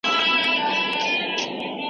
د مسواک په وهلو سره د خولې بلغم کمېږي.